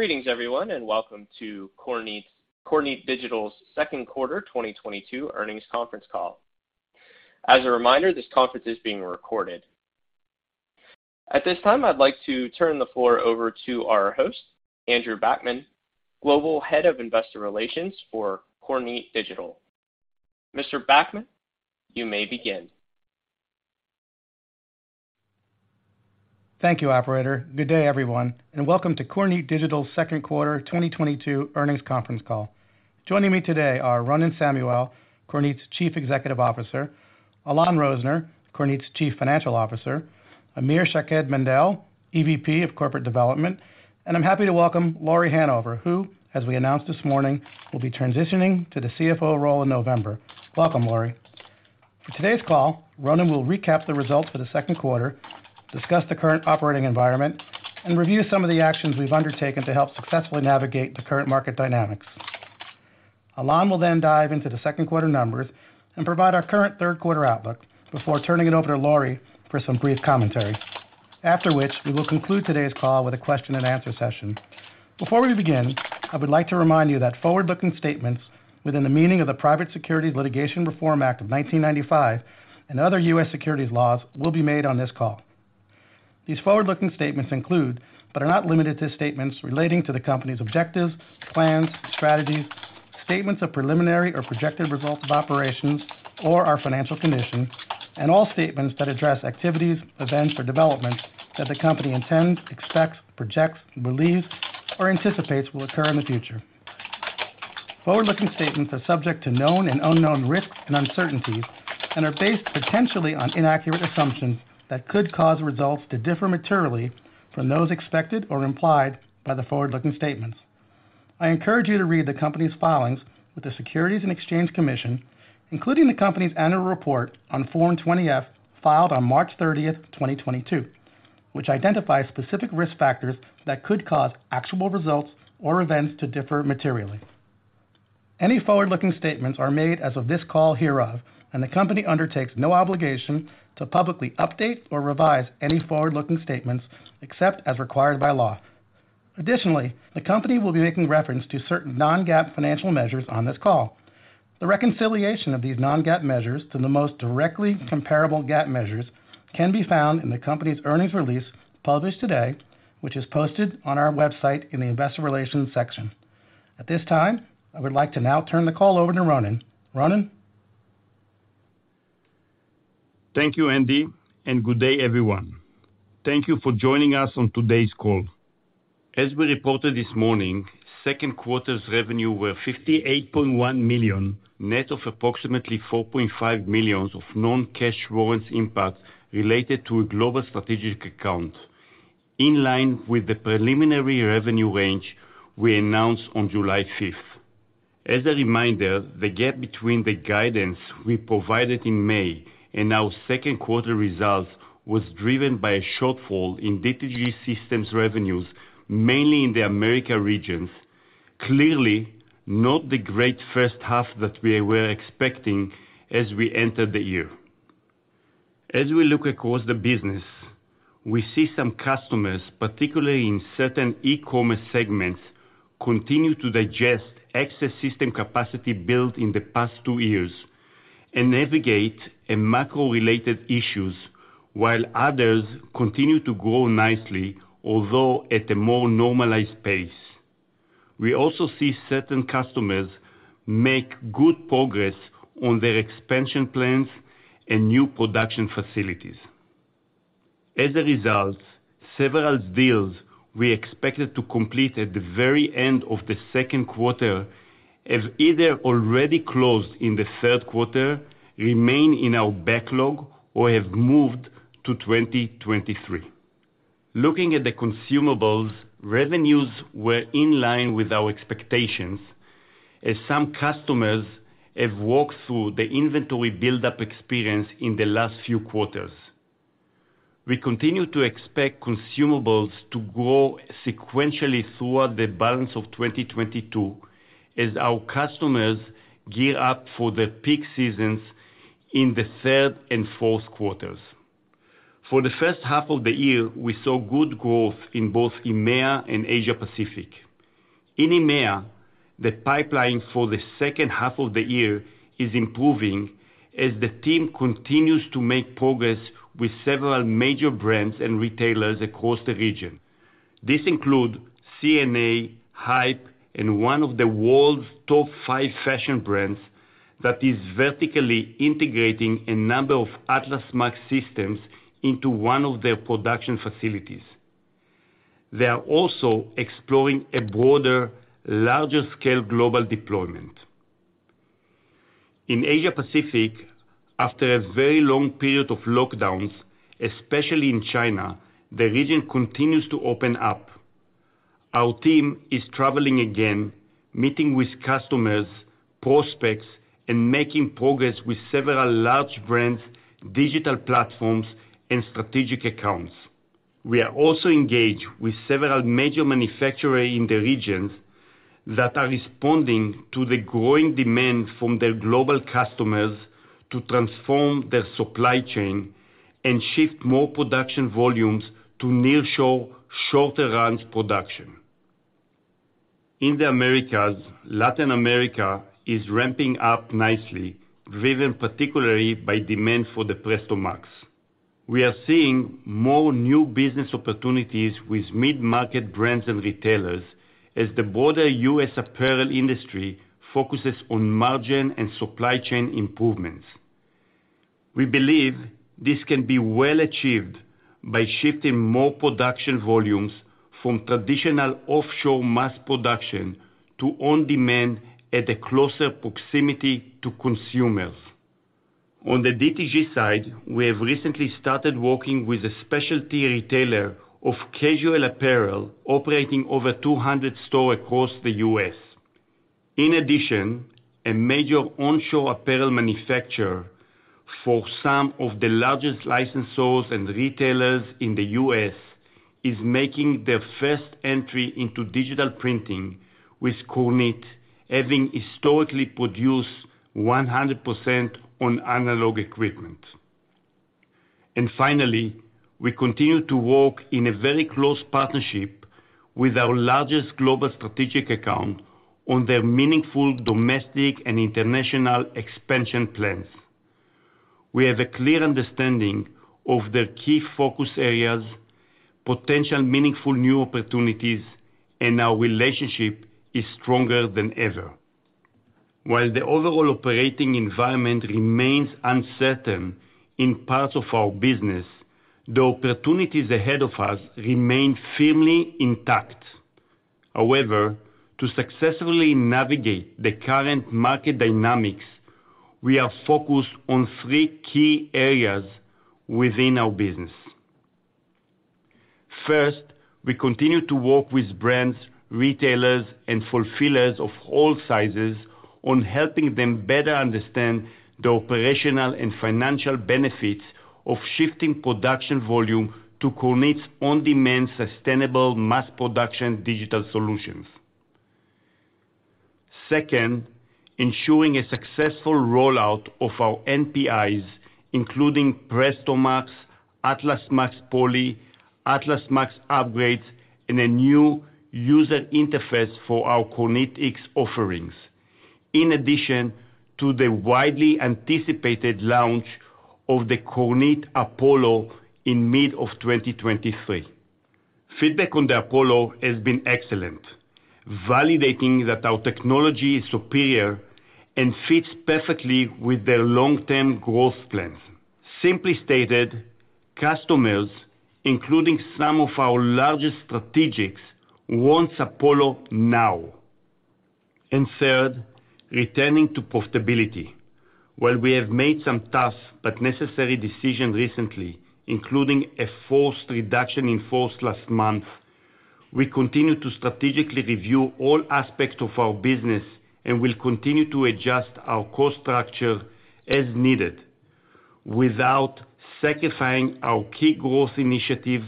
Greetings everyone, and welcome to Kornit Digital's Second Quarter 2022 Earnings Conference Call. As a reminder, this conference is being recorded. At this time, I'd like to turn the floor over to our host, Andrew Backman, Global Head of Investor Relations for Kornit Digital. Mr. Backman, you may begin. Thank you, operator. Good day, everyone, and welcome to Kornit Digital's Second Quarter 2022 Earnings Conference Call. Joining me today are Ronen Samuel, Kornit's Chief Executive Officer, Alon Rozner, Kornit's Chief Financial Officer, Amir Shaked-Mandel, EVP of Corporate Development, and I'm happy to welcome Lauri Hanover, who, as we announced this morning, will be transitioning to the CFO role in November. Welcome, Lauri. For today's call, Ronen will recap the results for the second quarter, discuss the current operating environment, and review some of the actions we've undertaken to help successfully navigate the current market dynamics. Alon will then dive into the second quarter numbers and provide our current third quarter outlook before turning it over to Lauri for some brief commentary. After which, we will conclude today's call with a question and answer session. Before we begin, I would like to remind you that forward-looking statements within the meaning of the Private Securities Litigation Reform Act of 1995 and other U.S. securities laws will be made on this call. These forward-looking statements include, but are not limited to, statements relating to the company's objectives, plans, strategies, statements of preliminary or projected results of operations or our financial condition, and all statements that address activities, events or developments that the company intends, expects, projects, believes or anticipates will occur in the future. Forward-looking statements are subject to known and unknown risks and uncertainties and are based potentially on inaccurate assumptions that could cause results to differ materially from those expected or implied by the forward-looking statements. I encourage you to read the company's filings with the Securities and Exchange Commission, including the company's annual report on Form 20-F filed on March 30, 2022, which identifies specific risk factors that could cause actual results or events to differ materially. Any forward-looking statements are made as of this call hereof, and the company undertakes no obligation to publicly update or revise any forward-looking statements except as required by law. Additionally, the company will be making reference to certain non-GAAP financial measures on this call. The reconciliation of these non-GAAP measures to the most directly comparable GAAP measures can be found in the company's earnings release published today, which is posted on our website in the Investor Relations section. At this time, I would like to now turn the call over to Ronen. Ronen? Thank you, Andy, and good day, everyone. Thank you for joining us on today's call. As we reported this morning, second quarter revenues were $58.1 million, net of approximately $4.5 million of non-cash warrants impact related to a global strategic account, in line with the preliminary revenue range we announced on July 5th. As a reminder, the gap between the guidance we provided in May and our second quarter results was driven by a shortfall in DTG Systems revenues, mainly in the Americas regions. Clearly, not the greatest first half that we were expecting as we entered the year. As we look across the business, we see some customers, particularly in certain e-commerce segments, continue to digest excess system capacity built in the past two years and navigate a macro-related issues while others continue to grow nicely, although at a more normalized pace. We also see certain customers make good progress on their expansion plans and new production facilities. As a result, several deals we expected to complete at the very end of the second quarter have either already closed in the third quarter, remain in our backlog, or have moved to 2023. Looking at the consumables, revenues were in line with our expectations as some customers have walked through the inventory buildup experience in the last few quarters. We continue to expect consumables to grow sequentially throughout the balance of 2022 as our customers gear up for their peak seasons in the third and fourth quarters. For the first half of the year, we saw good growth in both EMEA and Asia Pacific. In EMEA, the pipeline for the second half of the year is improving as the team continues to make progress with several major brands and retailers across the region. This includes C&A, Hype, and one of the world's top five fashion brands that is vertically integrating a number of Atlas MAX systems into one of their production facilities. They are also exploring a broader, larger scale global deployment. In Asia Pacific, after a very long period of lockdowns, especially in China, the region continues to open up. Our team is traveling again, meeting with customers, prospects, and making progress with several large brands, digital platforms and strategic accounts. We are also engaged with several major manufacturers in the region that are responding to the growing demand from their global customers to transform their supply chain and shift more production volumes to nearshore, shorter runs production. In the Americas, Latin America is ramping up nicely, driven particularly by demand for the Presto MAX. We are seeing more new business opportunities with mid-market brands and retailers as the broader U.S. apparel industry focuses on margin and supply chain improvements. We believe this can be well achieved by shifting more production volumes from traditional offshore mass production to on-demand at a closer proximity to consumers. On the DTG side, we have recently started working with a specialty retailer of casual apparel operating over 200 stores across the U.S. In addition, a major onshore apparel manufacturer for some of the largest licensors and retailers in the U.S. is making their first entry into digital printing, with Kornit, having historically produced 100% on analog equipment. Finally, we continue to work in a very close partnership with our largest global strategic account on their meaningful domestic and international expansion plans. We have a clear understanding of their key focus areas, potential meaningful new opportunities, and our relationship is stronger than ever. While the overall operating environment remains uncertain in parts of our business, the opportunities ahead of us remain firmly intact. However, to successfully navigate the current market dynamics, we are focused on three key areas within our business. First, we continue to work with brands, retailers, and fulfillers of all sizes on helping them better understand the operational and financial benefits of shifting production volume to Kornit's on-demand, sustainable mass production digital solutions. Second, ensuring a successful rollout of our NPIs, including Presto MAX, Atlas MAX POLY, Atlas MAX upgrades, and a new user interface for our KornitX offerings, in addition to the widely anticipated launch of the Kornit Apollo in mid of 2023. Feedback on the Apollo has been excellent, validating that our technology is superior and fits perfectly with their long-term growth plans. Simply stated, customers, including some of our largest strategics, want Apollo now. Third, returning to profitability. While we have made some tough but necessary decisions recently, including a forced reduction in force last month, we continue to strategically review all aspects of our business and will continue to adjust our cost structure as needed, without sacrificing our key growth initiatives,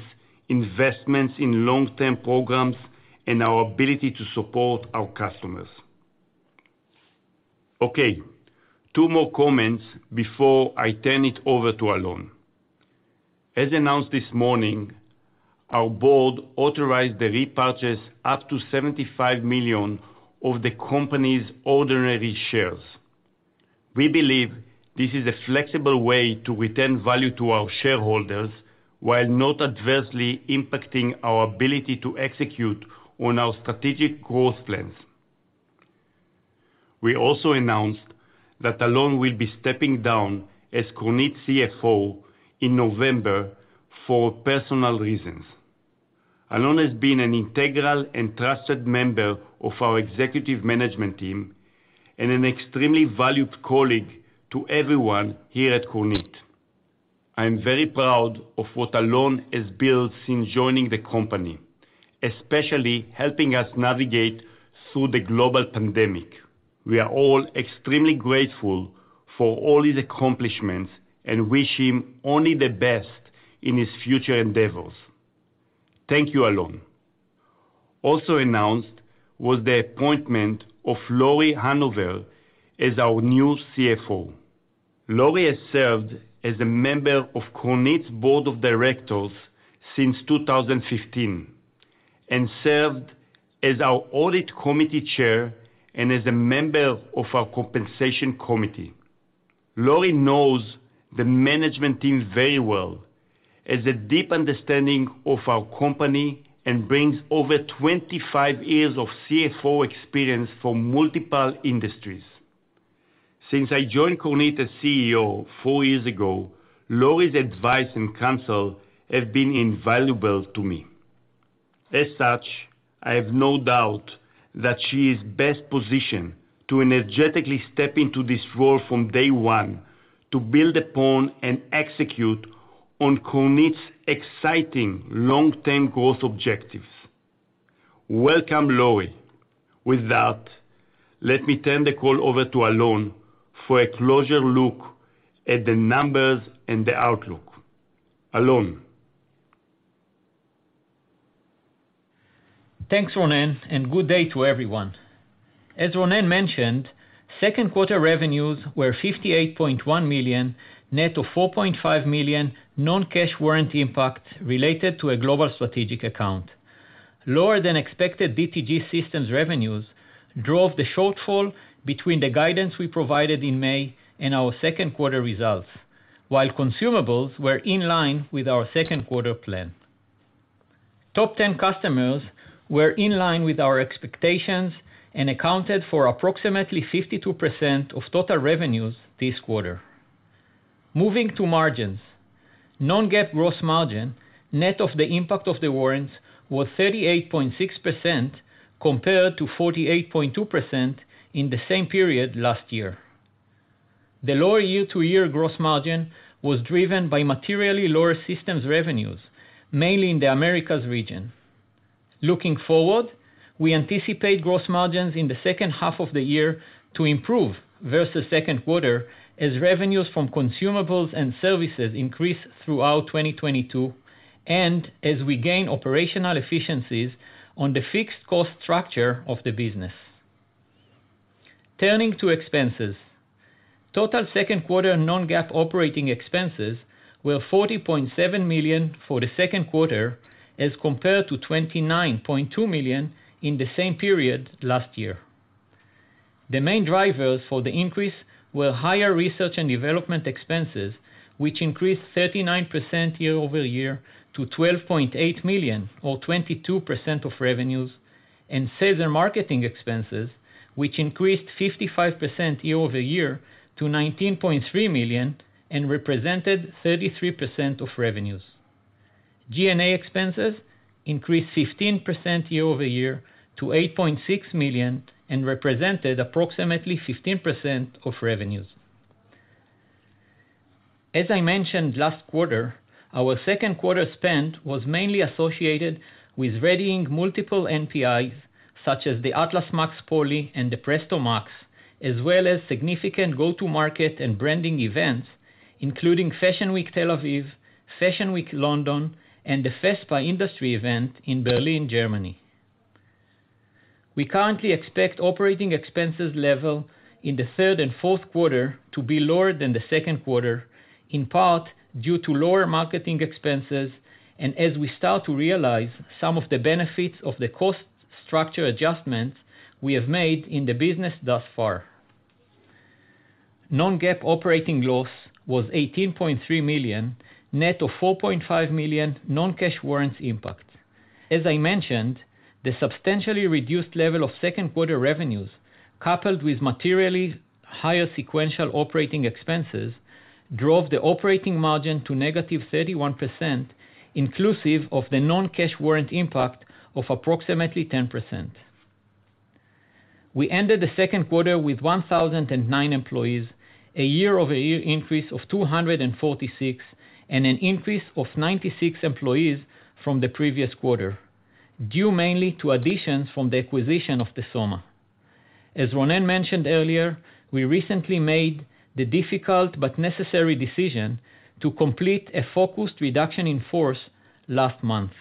investments in long-term programs, and our ability to support our customers. Okay, two more comments before I turn it over to Alon. As announced this morning, our board authorized the repurchase up to 75 million of the company's ordinary shares. We believe this is a flexible way to return value to our shareholders while not adversely impacting our ability to execute on our strategic growth plans. We also announced that Alon will be stepping down as Kornit's CFO in November for personal reasons. Alon has been an integral and trusted member of our executive management team and an extremely valued colleague to everyone here at Kornit. I am very proud of what Alon has built since joining the company, especially helping us navigate through the global pandemic. We are all extremely grateful for all his accomplishments and wish him only the best in his future endeavors. Thank you, Alon. Also announced was the appointment of Lauri Hanover as our new CFO. Lauri has served as a member of Kornit's Board of Directors since 2015, and served as our Audit Committee Chair and as a member of our Compensation Committee. Lauri knows the management team very well, has a deep understanding of our company, and brings over 25 years of CFO experience from multiple industries. Since I joined Kornit as CEO four years ago, Lauri's advice and counsel have been invaluable to me. As such, I have no doubt that she is best positioned to energetically step into this role from day one to build upon and execute on Kornit's exciting long-term growth objectives. Welcome, Lauri. With that, let me turn the call over to Alon for a closer look at the numbers and the outlook. Alon? Thanks, Ronen, and good day to everyone. As Ronen mentioned, second quarter revenues were $58.1 million, net of $4.5 million non-cash warranty impact related to a global strategic account. Lower than expected DTG systems revenues drove the shortfall between the guidance we provided in May and our second quarter results, while consumables were in line with our second quarter plan. Top 10 customers were in line with our expectations and accounted for approximately 52% of total revenues this quarter. Moving to margins. Non-GAAP gross margin, net of the impact of the warranty, was 38.6% compared to 48.2% in the same period last year. The lower year-to-year gross margin was driven by materially lower systems revenues, mainly in the Americas region. Looking forward, we anticipate gross margins in the second half of the year to improve versus second quarter as revenues from consumables and services increase throughout 2022, and as we gain operational efficiencies on the fixed cost structure of the business. Turning to expenses. Total second quarter non-GAAP operating expenses were $40.7 million for the second quarter, as compared to $29.2 million in the same period last year. The main drivers for the increase were higher research and development expenses, which increased 39% year-over-year to $12.8 million or 22% of revenues, and sales and marketing expenses, which increased 55% year-over-year to $19.3 million and represented 33% of revenues. G&A expenses increased 15% year-over-year to $8.6 million and represented approximately 15% of revenues. As I mentioned last quarter, our second quarter spend was mainly associated with readying multiple NPIs such as the Atlas MAX POLY and the Presto MAX, as well as significant go-to-market and branding events, including Fashion Week Tel Aviv, Fashion Week London, and the FESPA industry event in Berlin, Germany. We currently expect operating expenses level in the third and fourth quarter to be lower than the second quarter, in part due to lower marketing expenses, and as we start to realize some of the benefits of the cost structure adjustments we have made in the business thus far. Non-GAAP operating loss was $18.3 million, net of $4.5 million non-cash warrants impact. As I mentioned, the substantially reduced level of second quarter revenues, coupled with materially higher sequential operating expenses, drove the operating margin to negative 31%, inclusive of the non-cash warrant impact of approximately 10%. We ended the second quarter with 1,009 employees, a year-over-year increase of 246, and an increase of 96 employees from the previous quarter, due mainly to additions from the acquisition of Tesoma. As Ronen mentioned earlier, we recently made the difficult but necessary decision to complete a focused reduction in force last month.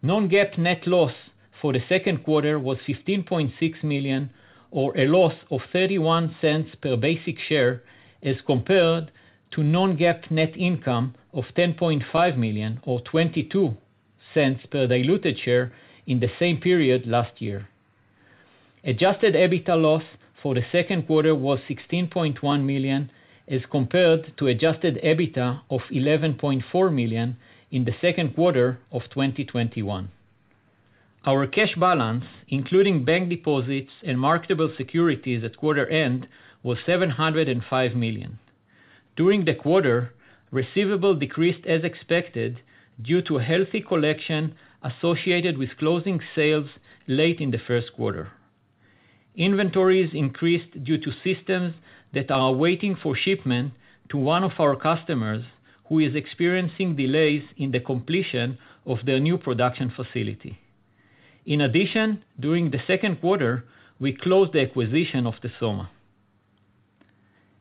Non-GAAP net loss for the second quarter was $15.6 million or a loss of $0.31 per basic share, as compared to non-GAAP net income of $10.5 million or $0.22 per diluted share in the same period last year. Adjusted EBITDA loss for the second quarter was $16.1 million, as compared to adjusted EBITDA of $11.4 million in the second quarter of 2021. Our cash balance, including bank deposits and marketable securities at quarter end, was $705 million. During the quarter, receivables decreased as expected due to a healthy collection associated with closing sales late in the first quarter. Inventories increased due to systems that are waiting for shipment to one of our customers who is experiencing delays in the completion of their new production facility. In addition, during the second quarter, we closed the acquisition of Tesoma.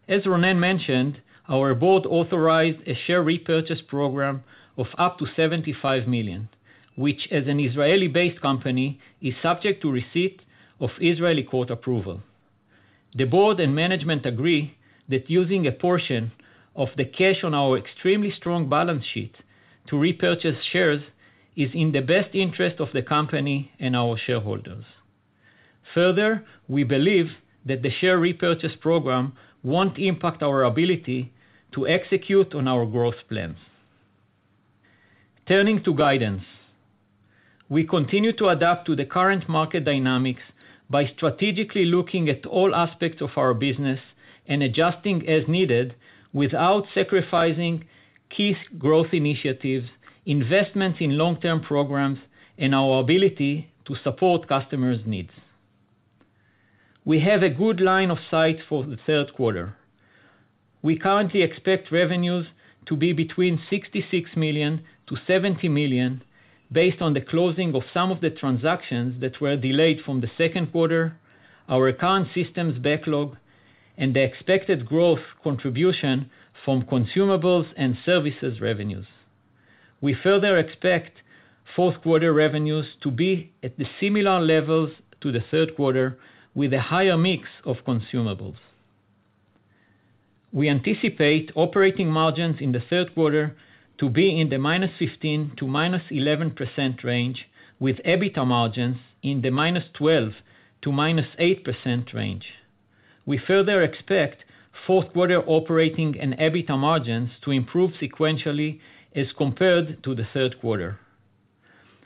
As Ronen mentioned, our board authorized a share repurchase program of up to $75 million, which, as an Israeli-based company, is subject to receipt of Israeli court approval. The board and management agree that using a portion of the cash on our extremely strong balance sheet to repurchase shares is in the best interest of the company and our shareholders. Further, we believe that the share repurchase program won't impact our ability to execute on our growth plans. Turning to guidance. We continue to adapt to the current market dynamics by strategically looking at all aspects of our business and adjusting as needed without sacrificing key growth initiatives, investments in long-term programs, and our ability to support customers' needs. We have a good line of sight for the third quarter. We currently expect revenues to be between $66 million-$70 million based on the closing of some of the transactions that were delayed from the second quarter, our current systems backlog and the expected growth contribution from consumables and services revenues. We further expect fourth quarter revenues to be at the similar levels to the third quarter, with a higher mix of consumables. We anticipate operating margins in the third quarter to be in the -15% to -11% range, with EBITDA margins in the -12% to -8% range. We further expect fourth quarter operating and EBITDA margins to improve sequentially as compared to the third quarter.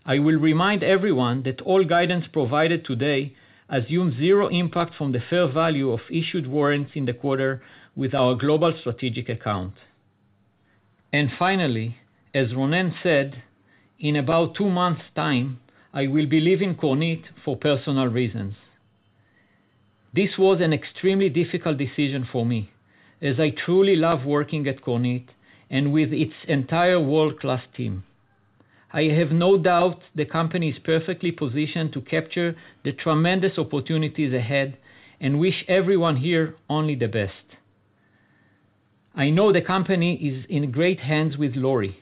I will remind everyone that all guidance provided today assumes zero impact from the fair value of issued warrants in the quarter with our global strategic account. Finally, as Ronen said, in about two months' time, I will be leaving Kornit for personal reasons. This was an extremely difficult decision for me as I truly love working at Kornit and with its entire world-class team. I have no doubt the company is perfectly positioned to capture the tremendous opportunities ahead and wish everyone here only the best. I know the company is in great hands with Lauri,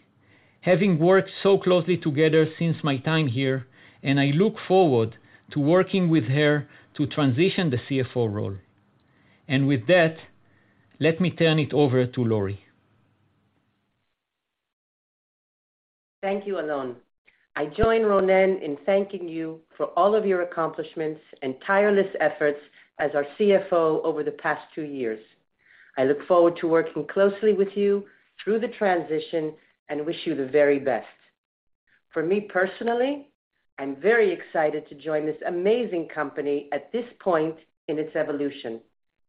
having worked so closely together since my time here, and I look forward to working with her to transition the CFO role. With that, let me turn it over to Lauri. Thank you, Alon. I join Ronen in thanking you for all of your accomplishments and tireless efforts as our CFO over the past two years. I look forward to working closely with you through the transition and wish you the very best. For me personally, I'm very excited to join this amazing company at this point in its evolution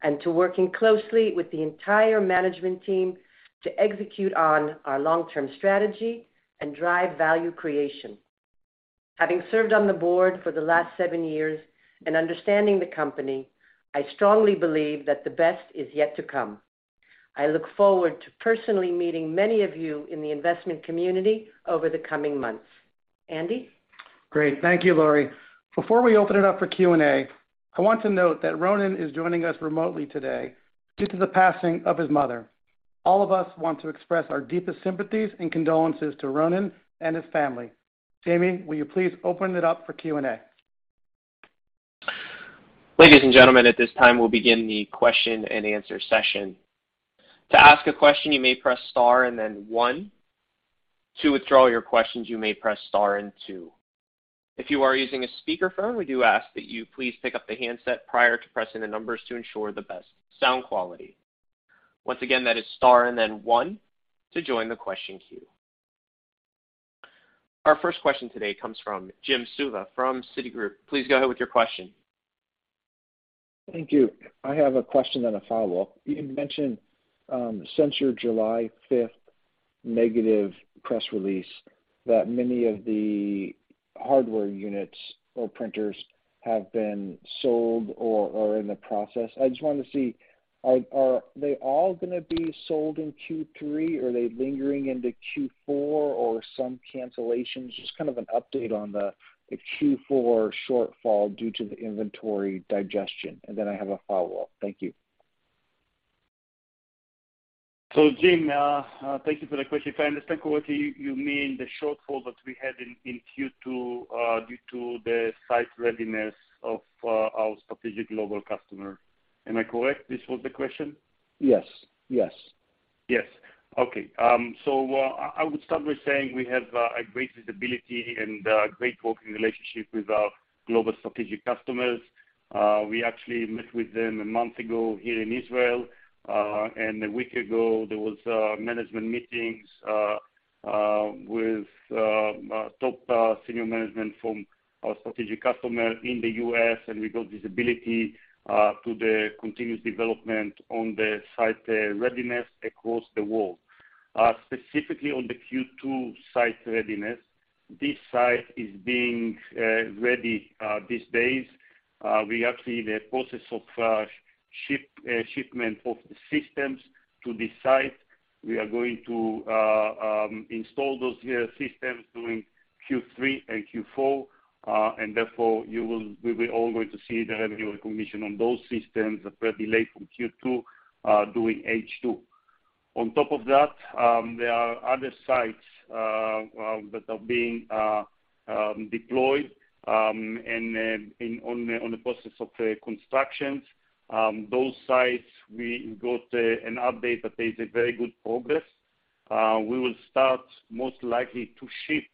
and to working closely with the entire management team to execute on our long-term strategy and drive value creation. Having served on the board for the last seven years and understanding the company, I strongly believe that the best is yet to come. I look forward to personally meeting many of you in the investment community over the coming months. Andy? Great. Thank you, Lauri. Before we open it up for Q&A, I want to note that Ronen is joining us remotely today due to the passing of his mother. All of us want to express our deepest sympathies and condolences to Ronen and his family. Jamie, will you please open it up for Q&A? Ladies and gentlemen, at this time, we'll begin the question-and-answer session. To ask a question, you may press star and then one. To withdraw your questions, you may press star and two. If you are using a speakerphone, we do ask that you please pick up the handset prior to pressing the numbers to ensure the best sound quality. Once again, that is star and then one to join the question queue. Our first question today comes from Jim Suva from Citigroup. Please go ahead with your question. Thank you. I have a question and a follow-up. You mentioned, since your July 5th negative press release that many of the hardware units or printers have been sold or are in the process. I just wanted to see, are they all gonna be sold in Q3? Are they lingering into Q4 or some cancellations? Just kind of an update on the Q4 shortfall due to the inventory digestion. I have a follow-up. Thank you. Jim, thank you for that question. If I understand correctly, you mean the shortfall that we had in Q2 due to the site readiness of our strategic global customer. Am I correct, this was the question? Yes. Yes. Yes. Okay. I would start with saying we have a great visibility and great working relationship with our global strategic customers. We actually met with them a month ago here in Israel, and a week ago there was management meetings with top senior management from our strategic customer in the U.S., and we built this ability to the continuous development on the site readiness across the world. Specifically on the Q2 site readiness, this site is being ready these days. We actually are in the process of shipment of the systems to the site. We are going to install those systems during Q3 and Q4, and therefore we will all going to see the revenue recognition on those systems a fairly late from Q2 during H2. On top of that, there are other sites that are being deployed and in the process of construction. Those sites we got an update that there's a very good progress. We will start most likely to ship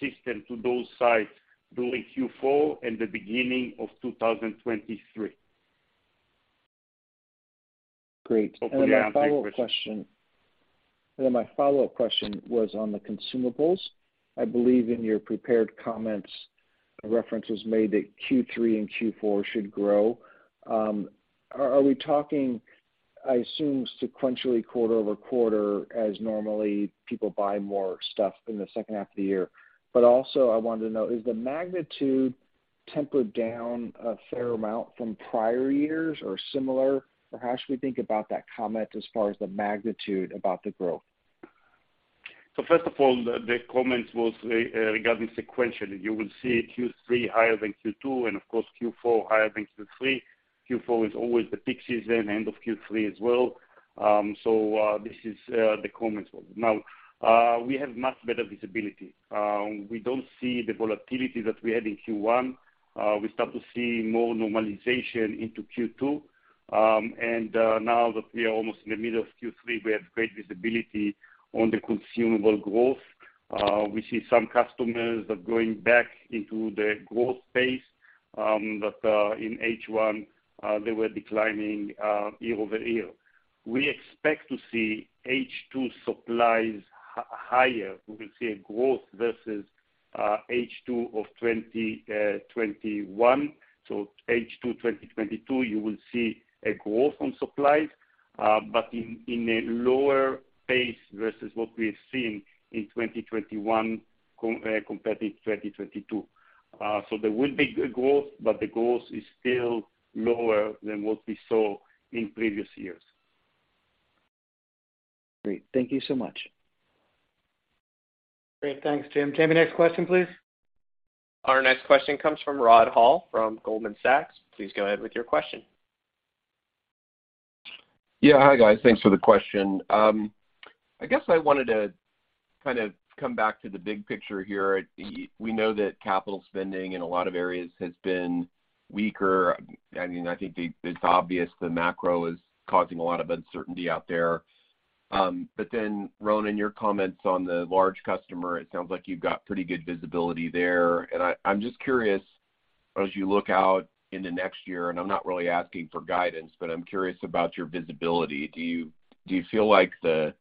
system to those sites during Q4 and the beginning of 2023. Great. Hopefully I answered your question. My follow-up question was on the consumables. I believe in your prepared comments, a reference was made that Q3 and Q4 should grow. Are we talking, I assume, sequentially quarter-over-quarter as normally people buy more stuff in the second half of the year? But also I wanted to know, is the magnitude tempered down a fair amount from prior years or similar, or how should we think about that comment as far as the magnitude about the growth? First of all, comments was regarding sequentially, you will see Q3 higher than Q2 and of course, Q4 higher than Q3. Q4 is always the peak season, end of Q3 as well. This is the comments. Now, we have much better visibility. We don't see the volatility that we had in Q1. We start to see more normalization into Q2. Now that we are almost in the middle of Q3, we have great visibility on the consumable growth. We see some customers are going back into the growth phase, that in H1 they were declining year-over-year. We expect to see H2 supplies higher. We will see a growth versus H2 of 2021. H2 2022, you will see a growth on supplies, but in a lower pace versus what we're seeing in 2021 compared to 2022. There will be growth, but the growth is still lower than what we saw in previous years. Great. Thank you so much. Great. Thanks, Jim. Can I have the next question, please? Our next question comes from Rod Hall from Goldman Sachs. Please go ahead with your question. Yeah. Hi, guys. Thanks for the question. I guess I wanted to kind of come back to the big picture here. We know that capital spending in a lot of areas has been weaker. I mean, I think it's obvious the macro is causing a lot of uncertainty out there. But then, Ronen, your comments on the large customer, it sounds like you've got pretty good visibility there. I'm just curious, as you look out into next year, and I'm not really asking for guidance, but I'm curious about your visibility. Do you feel like the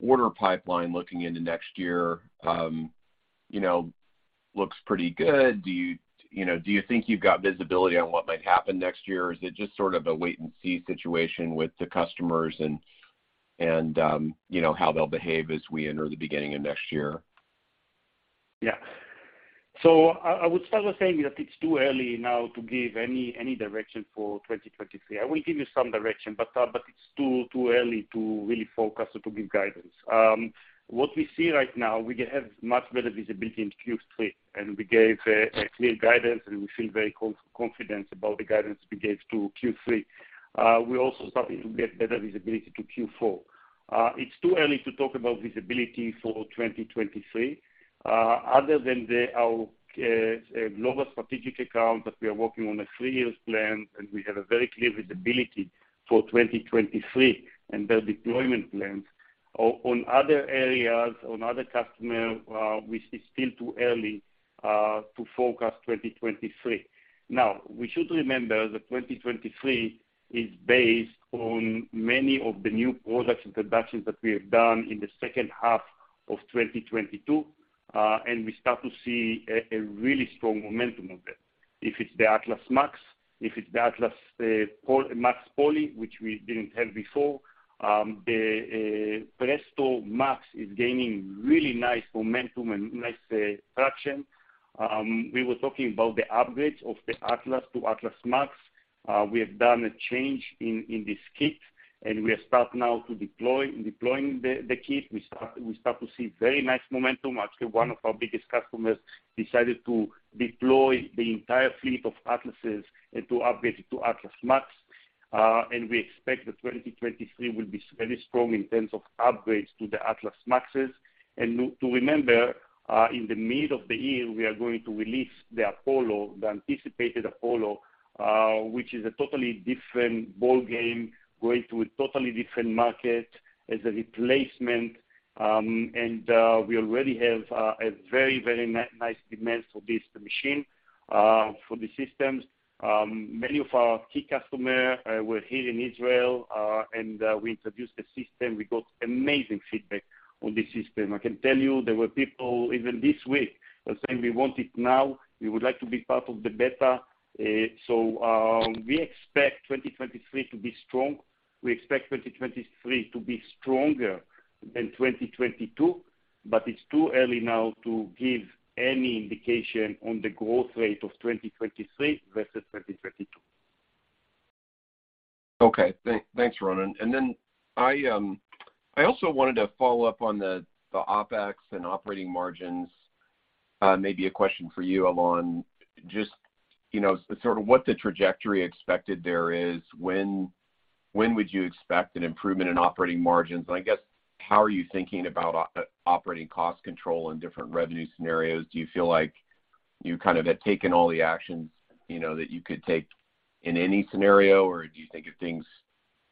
order pipeline looking into next year, you know, looks pretty good? Do you know, think you've got visibility on what might happen next year? Is it just sort of a wait and see situation with the customers and you know, how they'll behave as we enter the beginning of next year? Yeah. I would start with saying that it's too early now to give any direction for 2023. I will give you some direction, but it's too early to really focus or to give guidance. What we see right now, we have much better visibility in Q3, and we gave a clear guidance, and we feel very confident about the guidance we gave to Q3. We're also starting to get better visibility to Q4. It's too early to talk about visibility for 2023, other than our global strategic account that we are working on a three-year plan, and we have a very clear visibility for 2023 and their deployment plans. On other areas, on other customer, which is still too early to forecast 2023. Now, we should remember that 2023 is based on many of the new product introductions that we have done in the second half of 2022, and we start to see a really strong momentum of that. If it's the Atlas MAX, if it's the Atlas MAX POLY, which we didn't have before, the Presto MAX is gaining really nice momentum and nice traction. We were talking about the upgrades of the Atlas to Atlas MAX. We have done a change in this kit, and we are starting now to deploy. In deploying the kit, we start to see very nice momentum. Actually, one of our biggest customers decided to deploy the entire fleet of Atlases and to upgrade it to Atlas MAX. We expect that 2023 will be very strong in terms of upgrades to the Atlas MAXes. To remember, in the mid of the year, we are going to release the Apollo, the anticipated Apollo, which is a totally different ballgame, going to a totally different market as a replacement. We already have a very nice demand for this machine, for the systems. Many of our key customer were here in Israel, and we introduced the system. We got amazing feedback on this system. I can tell you there were people even this week saying, "We want it now. We would like to be part of the beta." We expect 2023 to be strong. We expect 2023 to be stronger than 2022, but it's too early now to give any indication on the growth rate of 2023 versus 2022. Okay. Thanks, Ronen. Then I also wanted to follow up on the OpEx and operating margins. Maybe a question for you, Alon. Just, you know, sort of what the trajectory expected there is. When would you expect an improvement in operating margins? And I guess, how are you thinking about operating cost control in different revenue scenarios? Do you feel like you kind of have taken all the actions, you know, that you could take in any scenario? Or do you think if things,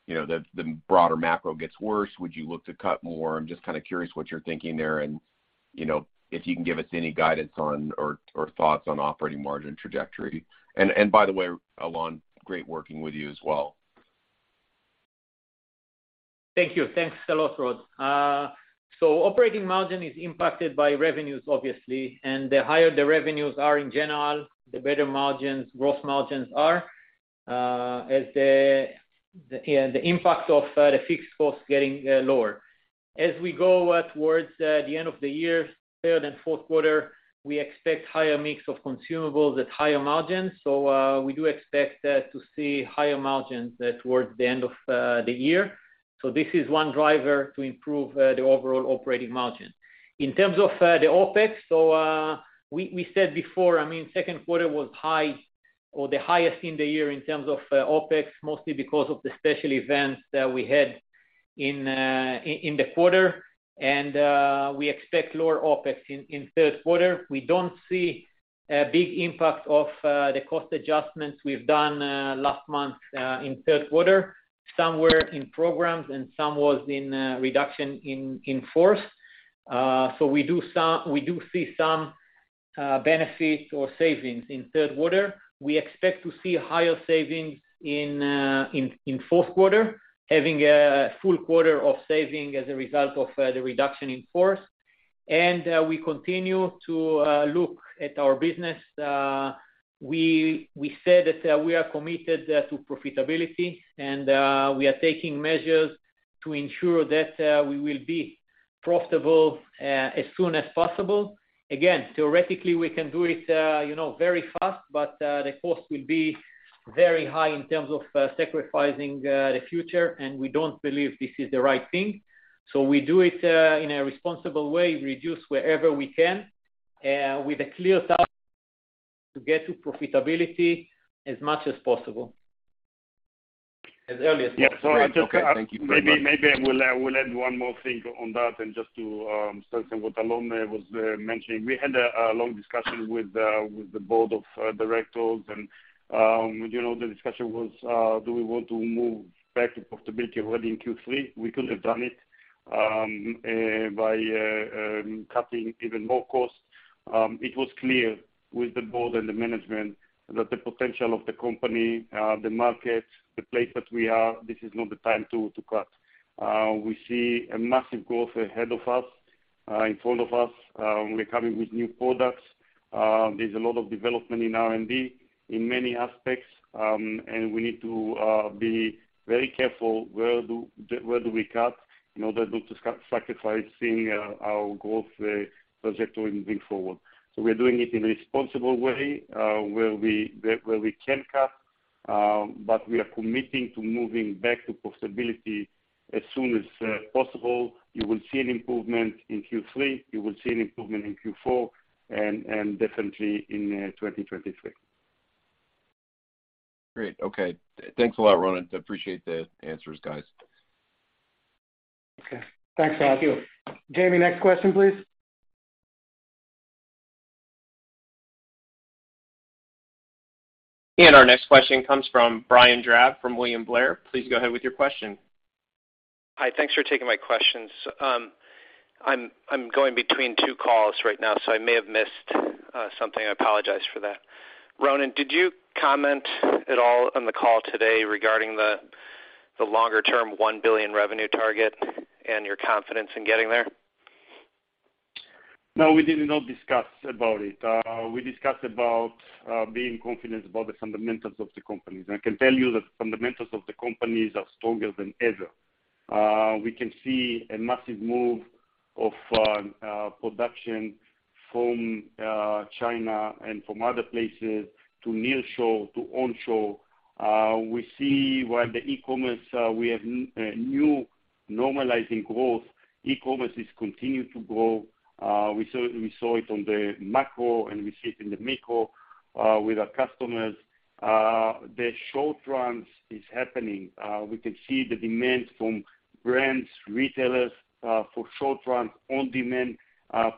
you know, the broader macro gets worse, would you look to cut more? I'm just kind of curious what you're thinking there and, you know, if you can give us any guidance on, or thoughts on operating margin trajectory. By the way, Alon, great working with you as well. Thank you. Thanks a lot, Rod. Operating margin is impacted by revenues, obviously. The higher the revenues are in general, the better margins, growth margins are, as the, you know, the impact of, the fixed costs getting, lower. As we go towards, the end of the year, third and fourth quarter, we expect higher mix of consumables at higher margins. We do expect to see higher margins towards the end of, the year. This is one driver to improve the overall operating margin. In terms of the OpEx, we said before, I mean, second quarter was high or the highest in the year in terms of OpEx, mostly because of the special events that we had in the quarter, and we expect lower OpEx in third quarter. We don't see a big impact of the cost adjustments we've done last month in third quarter. Some were in programs and some was in reduction in force. We do see some benefit or savings in third quarter. We expect to see higher savings in fourth quarter, having a full quarter of saving as a result of the reduction in force. We continue to look at our business. We said that we are committed to profitability and we are taking measures to ensure that we will be profitable as soon as possible. Again, theoretically, we can do it, you know, very fast, but the cost will be very high in terms of sacrificing the future, and we don't believe this is the right thing. We do it in a responsible way, reduce wherever we can, with a clear task to get to profitability as much as possible. As early as possible. Yeah. Great. Okay. Thank you very much. Yeah. I just maybe I will add one more thing on that and just to strengthen what Alon was mentioning. We had a long discussion with the board of directors and you know the discussion was do we want to move back to profitability already in Q3? We could have done it by cutting even more costs. It was clear with the board and the management that the potential of the company, the market, the place that we are, this is not the time to cut. We see a massive growth ahead of us in front of us. We're coming with new products. There's a lot of development in R&D in many aspects, and we need to be very careful where do we cut in order not to sacrifice seeing our growth trajectory moving forward. We're doing it in a responsible way, where we can cut, but we are committing to moving back to profitability as soon as possible. You will see an improvement in Q3. You will see an improvement in Q4 and definitely in 2023. Great. Okay. Thanks a lot, Ronen. Appreciate the answers, guys. Okay. Thanks, Rod. Thank you. Jamie, next question, please. Our next question comes from Brian Drab from William Blair. Please go ahead with your question. Hi. Thanks for taking my questions. I'm going between two calls right now, so I may have missed something. I apologize for that. Ronen, did you comment at all on the call today regarding the longer term $1 billion revenue target and your confidence in getting there? No, we did not discuss about it. We discussed about being confident about the fundamentals of the company. I can tell you the fundamentals of the company are stronger than ever. We can see a massive move of production from China and from other places to nearshore, to onshore. We see where the e-commerce, we have new normalizing growth. E-commerce is continued to grow. We saw it on the macro, and we see it in the micro, with our customers. The short runs is happening. We can see the demand from brands, retailers, for short run, on-demand,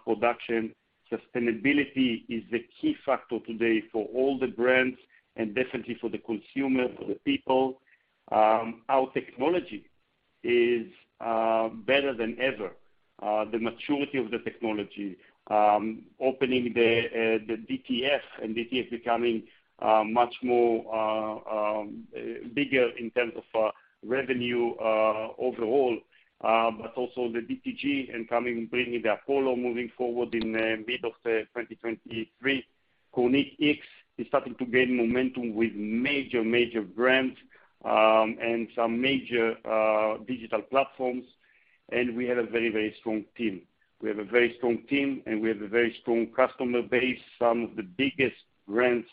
production. Sustainability is the key factor today for all the brands and definitely for the consumer, for the people. Our technology is better than ever. The maturity of the technology, opening the DTF, and DTF becoming much bigger in terms of revenue overall, but also the DTG and bringing the Apollo moving forward in mid of the 2023. KornitX is starting to gain momentum with major brands and some major digital platforms. We have a very strong team, and we have a very strong customer base. Some of the biggest brands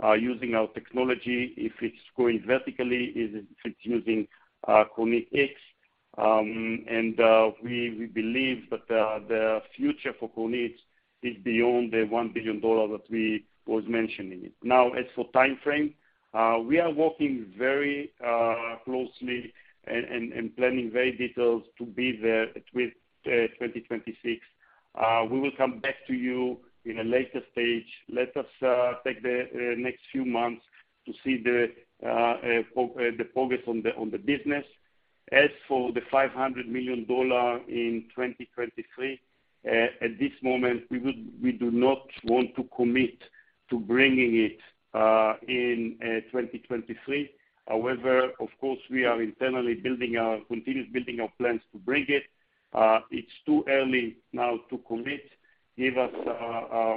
are using our technology. If it's going vertical, it's using KornitX. We believe that the future for Kornit is beyond the $1 billion that we was mentioning. Now, as for timeframe, we are working very closely and planning very detailed to be there at with 2026. We will come back to you in a later stage. Let us take the next few months to see the progress on the business. As for the $500 million in 2023, at this moment, we do not want to commit to bringing it in 2023. However, of course, we are internally continuously building our plans to bring it. It's too early now to commit. Give us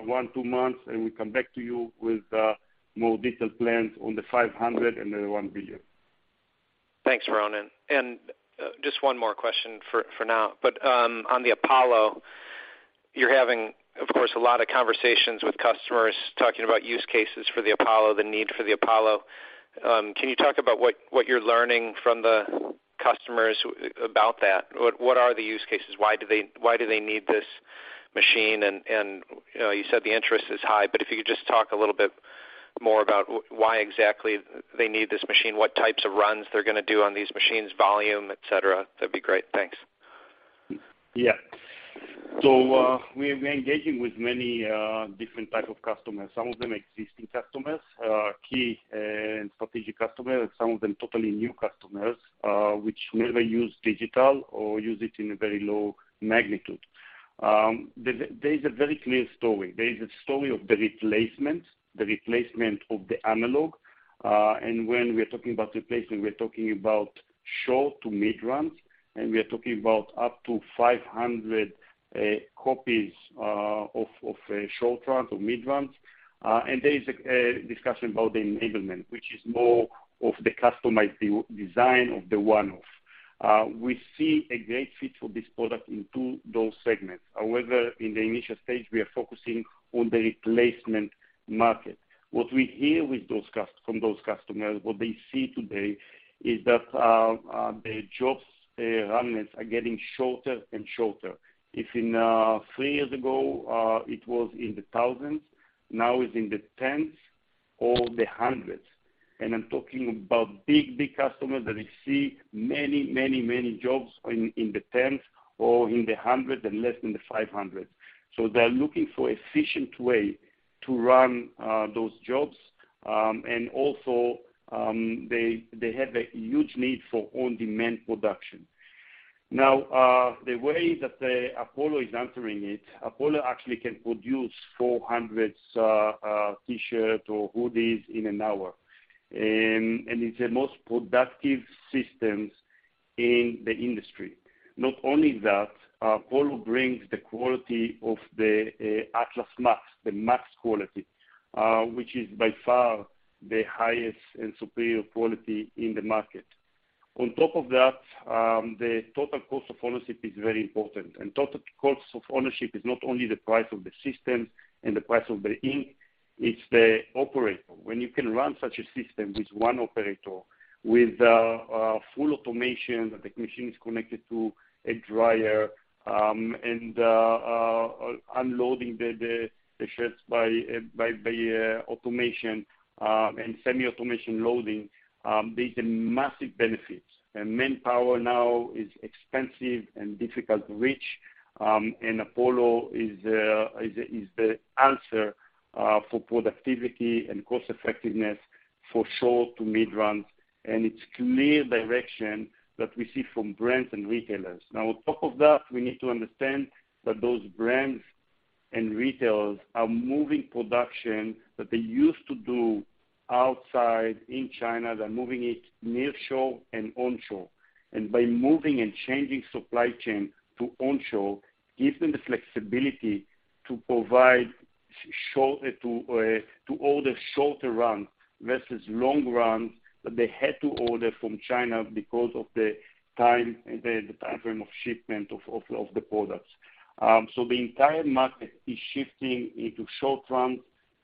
one, two months, and we come back to you with more detailed plans on the $500 million and the $1 billion. Thanks, Ronen. Just one more question for now. On the Apollo, you're having, of course, a lot of conversations with customers talking about use cases for the Apollo, the need for the Apollo. Can you talk about what you're learning from the customers about that? What are the use cases? Why do they need this machine? You know, you said the interest is high, but if you could just talk a little bit more about why exactly they need this machine, what types of runs they're gonna do on these machines, volume, et cetera, that'd be great. Thanks. Yeah. We've been engaging with many different type of customers, some of them existing customers, key and strategic customers, some of them totally new customers, which never use digital or use it in a very low magnitude. There is a very clear story. There is a story of the replacement of the analog. When we're talking about replacement, we're talking about short to mid-runs, and we are talking about up to 500 copies of short runs or mid-runs. There is a discussion about the enablement, which is more of the customized the design of the one-off. We see a great fit for this product into those segments. However, in the initial stage, we are focusing on the replacement market. What we hear from those customers, what they see today is that the jobs run rates are getting shorter and shorter. If in three years ago, it was in the thousands, now it's in the tens or the hundreds. I'm talking about big customers that they see many jobs in the 10s or in the 100 and less than the 500. They're looking for efficient way to run those jobs. They have a huge need for on-demand production. Now, the way that the Apollo is answering it, Apollo actually can produce 400 T-shirt or hoodies in an hour. It's the most productive systems in the industry. Not only that, Apollo brings the quality of the, Atlas Max, the max quality, which is by far the highest and superior quality in the market. On top of that, the total cost of ownership is very important. Total cost of ownership is not only the price of the system and the price of the ink, it's the operator. When you can run such a system with one operator, with full automation, the technician is connected to a dryer, and unloading the shirts by automation, and semi-automation loading, there's a massive benefits. Manpower now is expensive and difficult to reach, and Apollo is the answer for productivity and cost effectiveness for short to mid-runs, and it's clear direction that we see from brands and retailers. Now on top of that, we need to understand that those brands and retailers are moving production that they used to do outside in China. They're moving it nearshore and onshore. By moving and changing supply chain to onshore, gives them the flexibility to order shorter runs versus long runs that they had to order from China because of the time, the timeframe of shipment of the products. The entire market is shifting into short runs,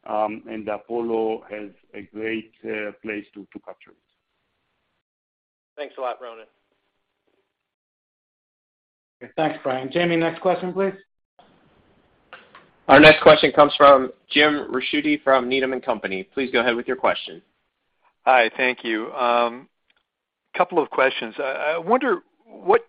and Apollo has a great place to capture it. Thanks a lot, Ronen. Thanks, Brian. Jamie, next question, please. Our next question comes from Jim Ricchiuti from Needham & Company. Please go ahead with your question. Hi, thank you. Couple of questions. I wonder what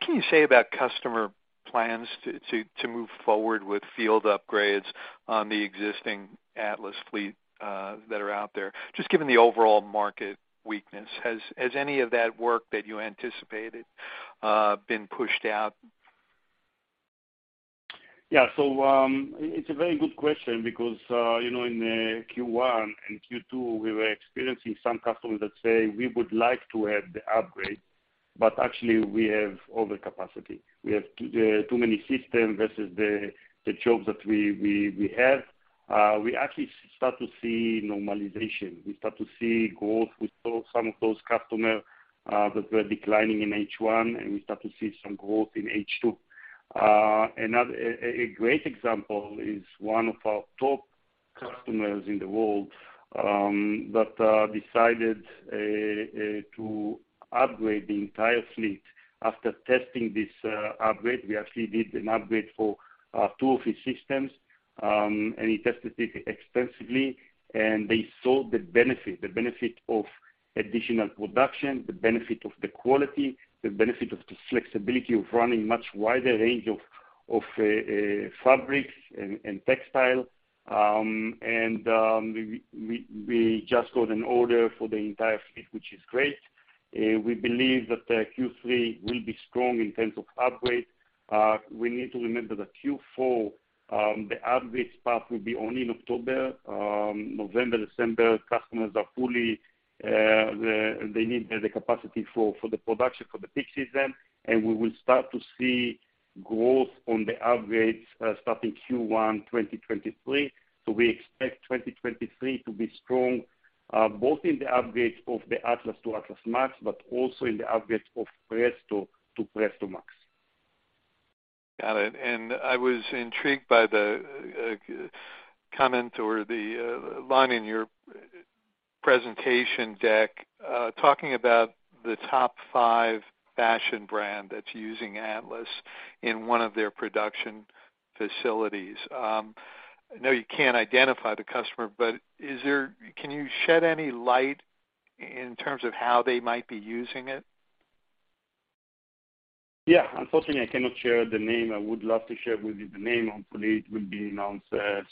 can you say about customer plans to move forward with field upgrades on the existing Atlas fleet that are out there? Just given the overall market weakness, has any of that work that you anticipated been pushed out? Yeah. It's a very good question because, you know, in Q1 and Q2, we were experiencing some customers that say, "We would like to have the upgrade, but actually we have overcapacity. We have too many systems versus the jobs that we have." We actually start to see normalization. We start to see growth. We saw some of those customers that were declining in H1, and we start to see some growth in H2. Another great example is one of our top customers in the world that decided to upgrade the entire fleet after testing this upgrade. We actually did an upgrade for two of his systems, and he tested it extensively, and they saw the benefit of additional production, the benefit of the quality, the benefit of the flexibility of running much wider range of fabrics and textile. We just got an order for the entire fleet, which is great. We believe that Q3 will be strong in terms of upgrades. We need to remember that Q4 the upgrades part will be only in October. November, December, customers are fully, they need the capacity for the production for the peak season, and we will start to see growth on the upgrades starting Q1 2023. We expect 2023 to be strong, both in the upgrades of the Atlas to Atlas MAX, but also in the upgrades of the Presto to Presto MAX. Got it. I was intrigued by the comment or the line in your presentation deck talking about the top five fashion brand that's using Atlas in one of their production facilities. I know you can't identify the customer, but can you shed any light in terms of how they might be using it? Yeah. Unfortunately, I cannot share the name. I would love to share with you the name. Hopefully, it will be announced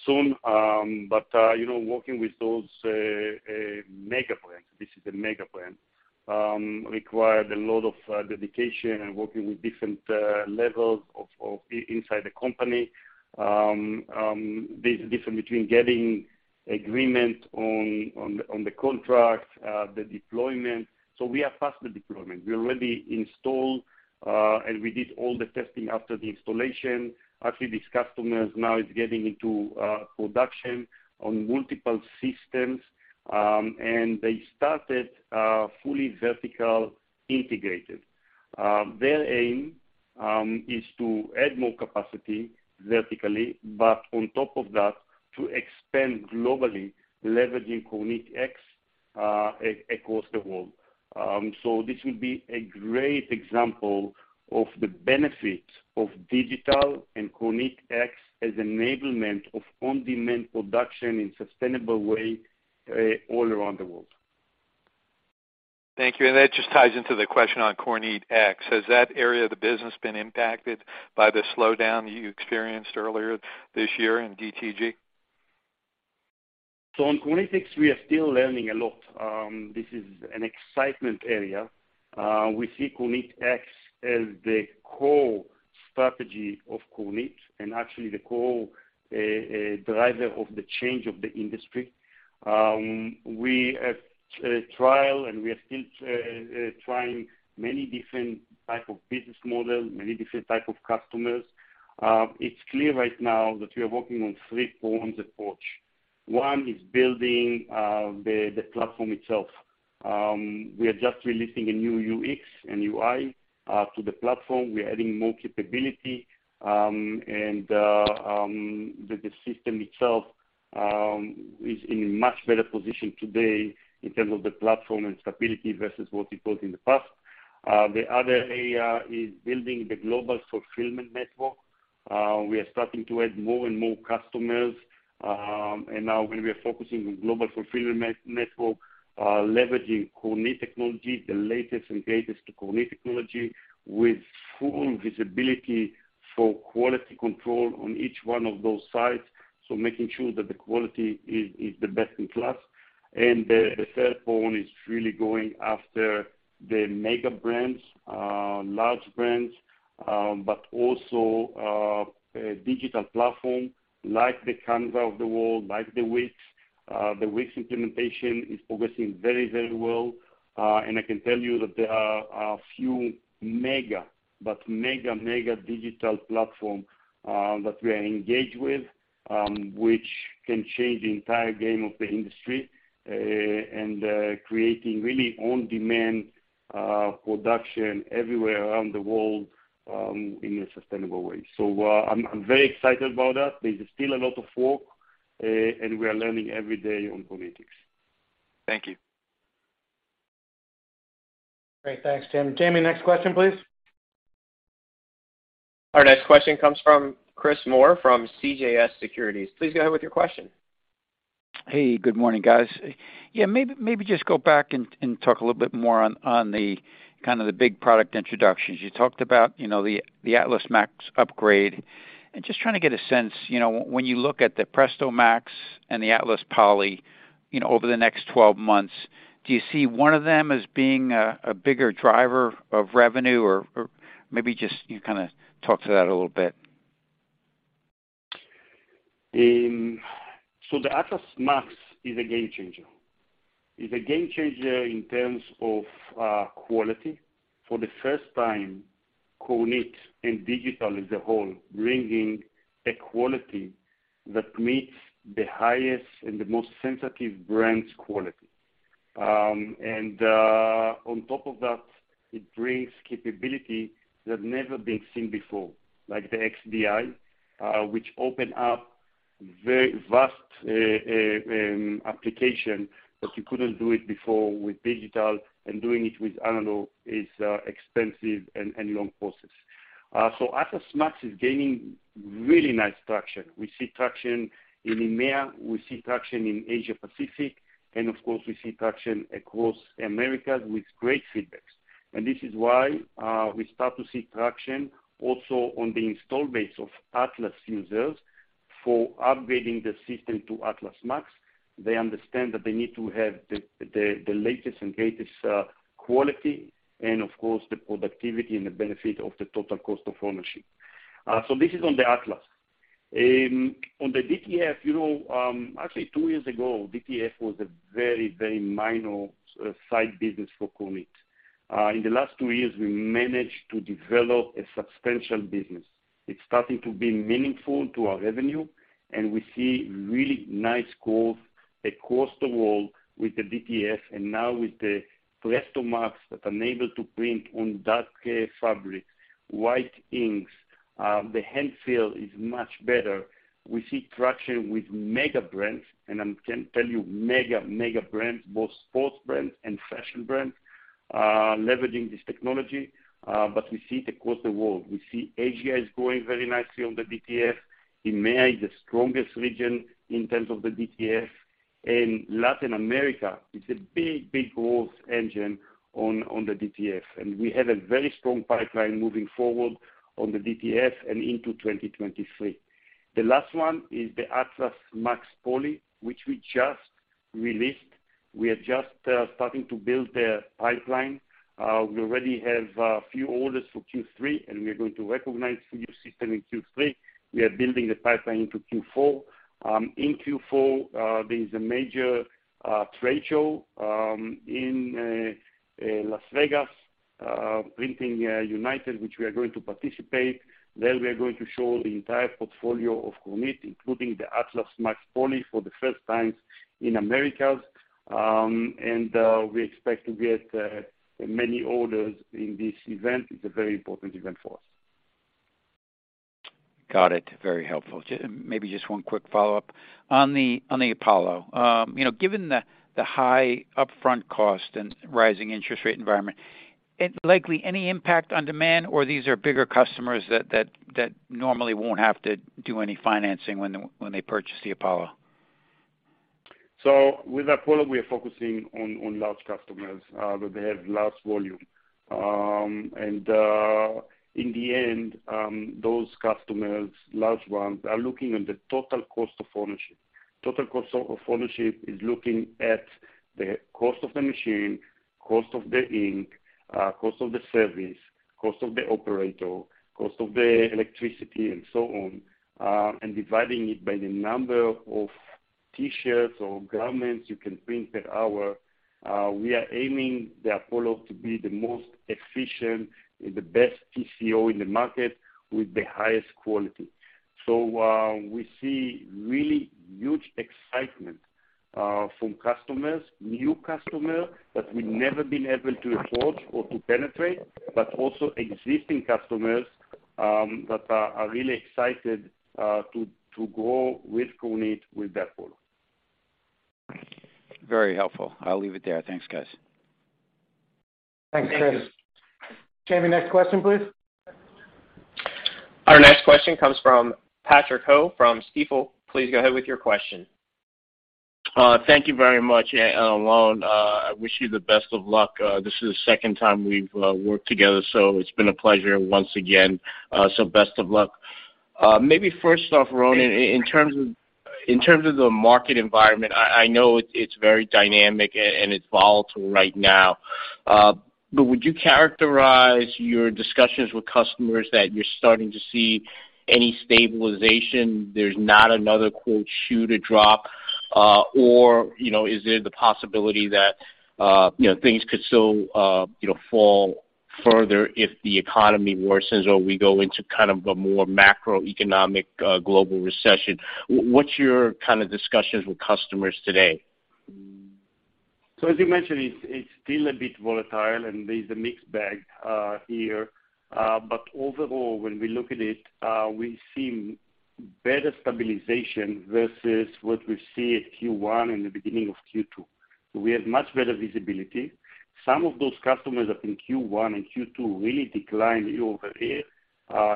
soon. You know, working with those mega brands, this is a mega brand, required a lot of dedication and working with different levels of inside the company. There's a difference between getting agreement on the contract, the deployment. We are past the deployment. We already installed, and we did all the testing after the installation. Actually, this customer now is getting into production on multiple systems, and they started fully vertical integrated. Their aim is to add more capacity vertically, but on top of that, to expand globally, leveraging KornitX across the world. This will be a great example of the benefit of digital and KornitX as enablement of on-demand production in sustainable way, all around the world. Thank you. That just ties into the question on KornitX. Has that area of the business been impacted by the slowdown you experienced earlier this year in DTG? On KornitX, we are still learning a lot. This is an excitement area. We see KornitX as the core strategy of Kornit, and actually the core driver of the change of the industry. We have trial, and we are still trying many different type of business model, many different type of customers. It's clear right now that we are working on three prongs approach. One is building the platform itself. We are just releasing a new UX and UI to the platform. We're adding more capability, and the system itself is in much better position today in terms of the platform and stability versus what we built in the past. The other area is building the global fulfillment network. We are starting to add more and more customers, and now we are focusing on global fulfillment network, leveraging Kornit technology, the latest and greatest to Kornit technology, with full visibility for quality control on each one of those sites, so making sure that the quality is the best in class. The third one is really going after the mega brands, large brands, but also a digital platform like the Canva of the world, like the Wix. The Wix implementation is progressing very well. I can tell you that there are a few mega mega digital platform that we are engaged with, which can change the entire game of the industry, creating really on-demand production everywhere around the world, in a sustainable way. I'm very excited about that. There's still a lot of work, and we are learning every day on KornitX. Thank you. Great. Thanks, Jim. Jamie, next question, please. Our next question comes from Chris Moore from CJS Securities. Please go ahead with your question. Hey, good morning, guys. Yeah, maybe just go back and talk a little bit more on the kind of the big product introductions. You talked about, you know, the Atlas Max upgrade. Just trying to get a sense, you know, when you look at the Presto Max and the Atlas Poly, you know, over the next 12 months, do you see one of them as being a bigger driver of revenue? Or maybe just you kinda talk to that a little bit. The Atlas Max is a game changer. It's a game changer in terms of quality. For the first time, Kornit Digital as a whole, bringing a quality that meets the highest and the most sensitive brands quality. On top of that, it brings capability that never been seen before, like the XDI, which open up very vast application, but you couldn't do it before with digital, and doing it with analog is expensive and long process. Atlas Max is gaining really nice traction. We see traction in EMEA, we see traction in Asia Pacific, and of course, we see traction across America with great feedbacks. This is why we start to see traction also on the install base of Atlas users for upgrading the system to Atlas Max. They understand that they need to have the latest and greatest quality and of course the productivity and the benefit of the total cost of ownership. This is on the Atlas. On the DTF, you know, actually two years ago, DTF was a very minor side business for Kornit. In the last two years, we managed to develop a substantial business. It's starting to be meaningful to our revenue, and we see really nice growth across the world with the DTF and now with the Presto MAX that are able to print on dark fabric, white inks. The hand feel is much better. We see traction with mega brands, and I can tell you mega brands, both sports brands and fashion brands, leveraging this technology, but we see it across the world. We see Asia is growing very nicely on the DTF. EMEA is the strongest region in terms of the DTF. In Latin America, it's a big, big growth engine on the DTF. We have a very strong pipeline moving forward on the DTF and into 2023. The last one is the Atlas Max Poly, which we just released. We are just starting to build the pipeline. We already have a few orders for Q3, and we are going to recognize a few systems in Q3. We are building the pipeline into Q4. In Q4, there is a major trade show in Las Vegas, Printing United, which we are going to participate. There we are going to show the entire portfolio of Kornit, including the Atlas Max Poly for the first time in America. We expect to get many orders in this event. It's a very important event for us. Got it. Very helpful. Jamie, maybe just one quick follow-up. On the Apollo, you know, given the high upfront cost and rising interest rate environment, is there likely any impact on demand or these are bigger customers that normally won't have to do any financing when they purchase the Apollo? With Apollo, we are focusing on large customers that they have large volume. In the end, those customers, large ones, are looking at the total cost of ownership. Total cost of ownership is looking at the cost of the machine, cost of the ink, cost of the service, cost of the operator, cost of the electricity, and so on, and dividing it by the number of T-shirts or garments you can print per hour. We are aiming the Apollo to be the most efficient and the best TCO in the market with the highest quality. We see really huge excitement from customers, new customer that we've never been able to approach or to penetrate, but also existing customers that are really excited to grow with Kornit, with the Apollo. Very helpful. I'll leave it there. Thanks, guys. Thank you. Thanks, Chris. Can we have next question, please? Our next question comes from Patrick Ho from Stifel. Please go ahead with your question. Thank you very much, and Alon. I wish you the best of luck. This is the second time we've worked together, so it's been a pleasure once again. Best of luck. Maybe first off, Ronen, in terms of the market environment, I know it's very dynamic and it's volatile right now. Would you characterize your discussions with customers that you're starting to see any stabilization? There's not another shoe to drop, or, you know, is there the possibility that, you know, things could still, you know, fall further if the economy worsens or we go into kind of a more macroeconomic, global recession? What's your kind of discussions with customers today? As you mentioned, it's still a bit volatile, and there's a mixed bag here. Overall, when we look at it, we've seen better stabilization versus what we see at Q1 and the beginning of Q2. We have much better visibility. Some of those customers that in Q1 and Q2 really declined over here,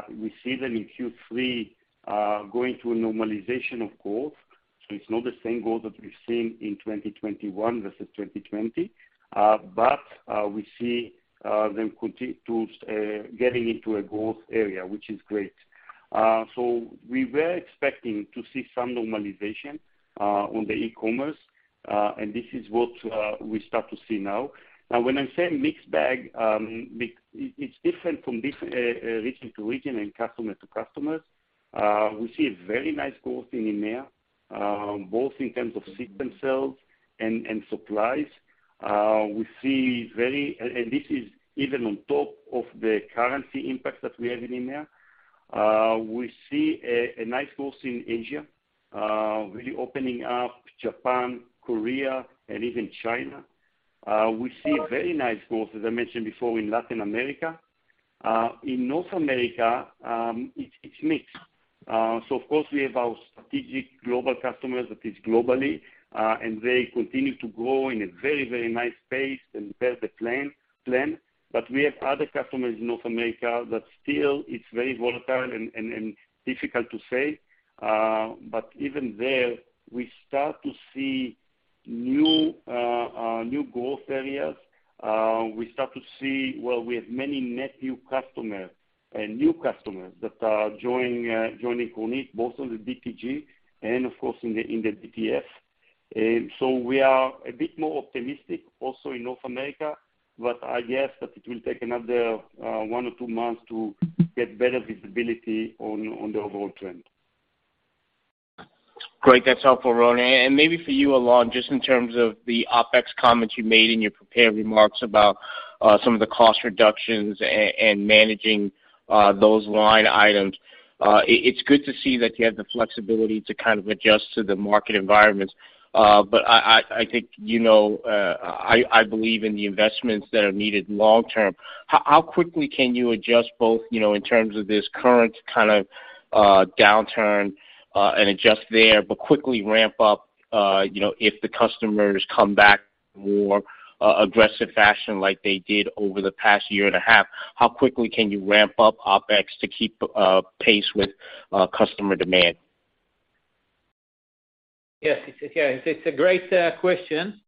we see them in Q3 going through a normalization of growth. It's not the same growth that we've seen in 2021 versus 2020. We see them continuing to get into a growth area, which is great. We were expecting to see some normalization on the e-commerce, and this is what we start to see now. When I say mixed bag, it's different from region to region and customer to customer. We see a very nice growth in EMEA, both in terms of system sales and supplies. This is even on top of the currency impact that we have in EMEA. We see a nice growth in Asia, really opening up Japan, Korea, and even China. We see a very nice growth, as I mentioned before, in Latin America. In North America, it's mixed. Of course, we have our strategic global customers that is globally, and they continue to grow in a very nice pace and per the plan. We have other customers in North America that still it's very volatile and difficult to say. Even there, we start to see new growth areas. We start to see where we have many net new customer and new customers that are joining Kornit, both on the DTG and of course in the DTF. We are a bit more optimistic also in North America, but I guess that it will take another one or two months to get better visibility on the overall trend. Great. That's helpful, Ronen. Maybe for you, Alon, just in terms of the OpEx comments you made in your prepared remarks about some of the cost reductions and managing those line items. It's good to see that you have the flexibility to kind of adjust to the market environments. But I think, you know, I believe in the investments that are needed long term. How quickly can you adjust both, you know, in terms of this current kind of downturn and adjust there, but quickly ramp up, you know, if the customers come back more aggressive fashion like they did over the past year and a half, how quickly can you ramp up OpEx to keep pace with customer demand? Yes. It's a great question.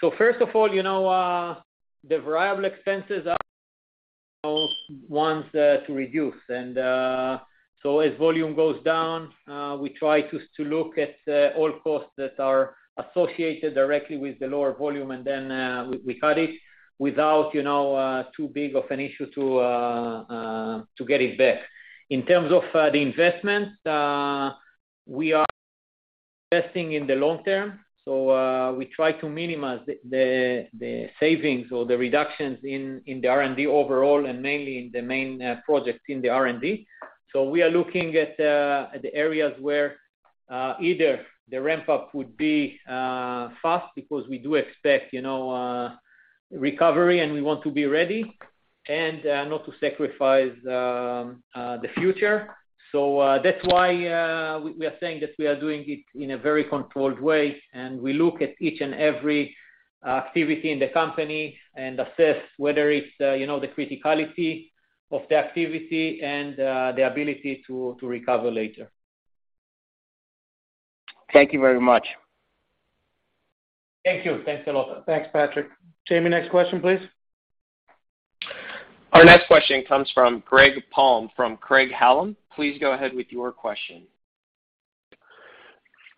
First of all, you know, the variable expenses are ones to reduce. As volume goes down, we try to look at all costs that are associated directly with the lower volume, and then we cut it without, you know, too big of an issue to get it back. In terms of the investments, we are investing in the long term, so we try to minimize the savings or the reductions in the R&D overall and mainly in the main projects in the R&D. We are looking at the areas where either the ramp up would be fast because we do expect, you know, recovery and we want to be ready and not to sacrifice the future. That's why we are saying that we are doing it in a very controlled way, and we look at each and every activity in the company and assess whether it's the criticality of the activity and the ability to recover later. Thank you very much. Thank you. Thanks a lot. Thanks, Patrick. Jamie, next question, please. Our next question comes from Greg Palm from Craig-Hallum. Please go ahead with your question.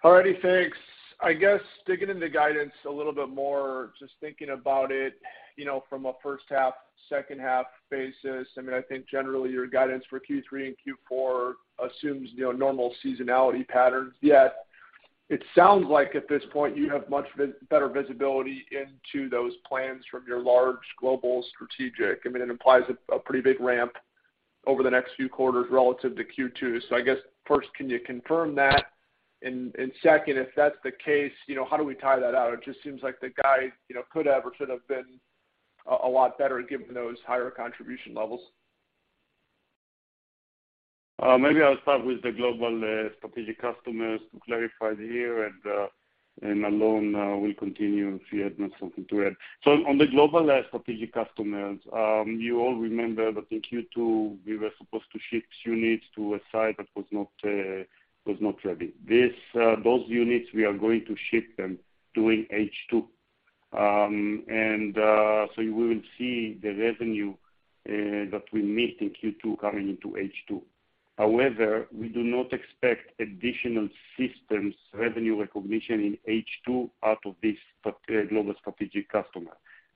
All righty. Thanks. I guess digging into guidance a little bit more, just thinking about it, you know, from a first half, second half basis, I mean, I think generally your guidance for Q3 and Q4 assumes, you know, normal seasonality patterns. Yet it sounds like at this point you have much better visibility into those plans from your large global strategic. I mean, it implies a pretty big ramp over the next few quarters relative to Q2. So I guess first, can you confirm that? And second, if that's the case, you know, how do we tie that out? It just seems like the guide, you know, could have or should have been a lot better given those higher contribution levels. Maybe I'll start with the global strategic customers to clarify here and Alon will continue if he has something to add. On the global strategic customers, you all remember that in Q2 we were supposed to ship units to a site that was not ready. Those units we are going to ship them during H2. You will see the revenue that we missed in Q2 coming into H2. However, we do not expect additional systems revenue recognition in H2 out of this global strategic customer.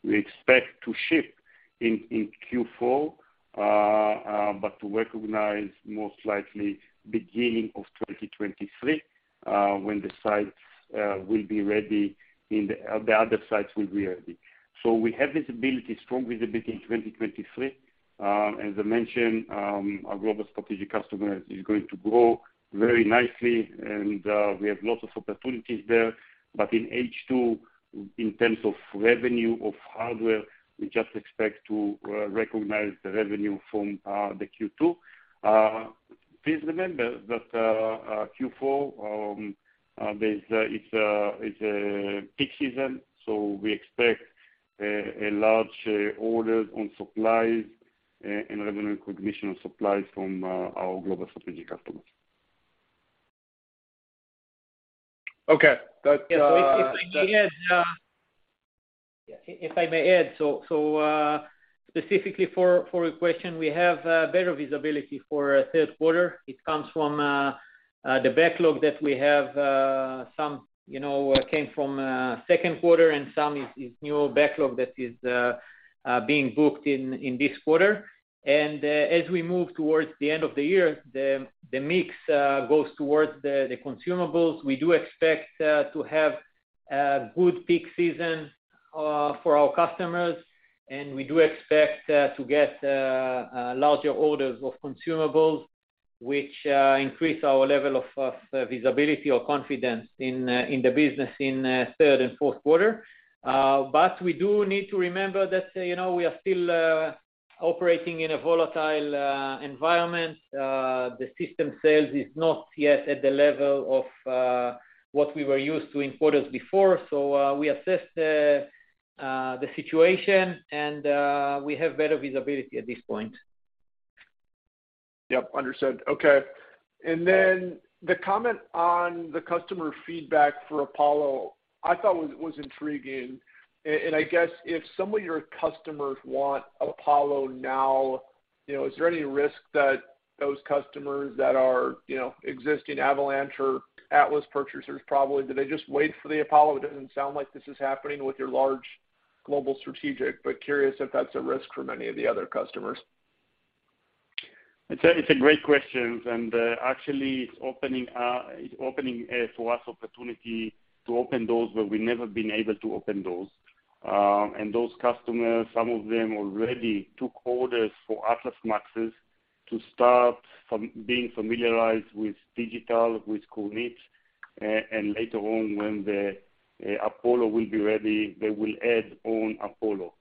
We expect to ship in Q4, but to recognize most likely beginning of 2023, when the sites will be ready and the other sites will be ready. We have visibility, strong visibility in 2023. As I mentioned, our global strategic customer is going to grow very nicely and we have lots of opportunities there. In H2, in terms of revenue of hardware, we just expect to recognize the revenue from the Q2. Please remember that Q4 it's a peak season, so we expect a large orders on supplies and revenue recognition of supplies from our global strategic customers. Okay. Yeah. If I may add, specifically for your question, we have better visibility for third quarter. It comes from the backlog that we have. Some, you know, came from second quarter and some is new backlog that is being booked in this quarter. As we move towards the end of the year, the mix goes towards the consumables. We do expect to have a good peak season for our customers, and we do expect to get larger orders of consumables, which increase our level of visibility or confidence in the business in third and fourth quarter. We do need to remember that, you know, we are still operating in a volatile environment. The system sales is not yet at the level of what we were used to in quarters before. We assess the situation and we have better visibility at this point. Yep, understood. Okay. The comment on the customer feedback for Apollo, I thought was intriguing. I guess if some of your customers want Apollo now, you know, is there any risk that those customers that are, you know, existing Avalanche or Atlas purchasers probably, do they just wait for the Apollo? It doesn't sound like this is happening with your large global strategic, but curious if that's a risk for many of the other customers. It's a great question, and actually it's opening for us opportunity to open doors where we've never been able to open doors. Those customers, some of them already took orders for Atlas MAX to start some being familiarized with digital, with Kornit. Later on when the Apollo will be ready, they will add on Apollo.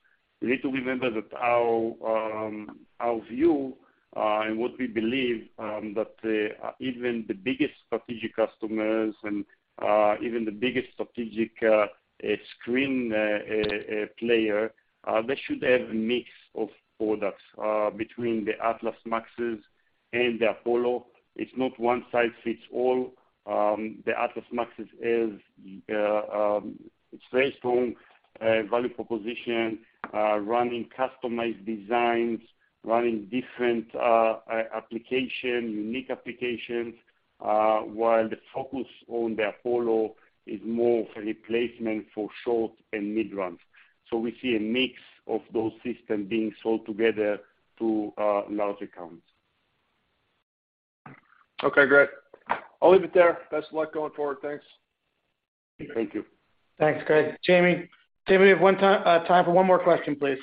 You need to remember that our view and what we believe that even the biggest strategic customers and even the biggest strategic screen player they should have a mix of products between the Atlas MAX and the Apollo. It's not one size fits all. The Atlas MAX, it's very strong value proposition, running customized designs, running different applications, unique applications, while the focus on the Apollo is more for replacement for short and mid-runs. We see a mix of those systems being sold together to large accounts. Okay, great. I'll leave it there. Best of luck going forward. Thanks. Thank you. Thanks, Greg. Jamie, do we have time for one more question, please?